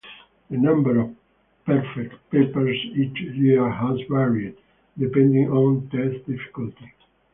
The number of perfect papers each year has varied depending on test difficulty.